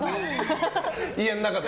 家の中で？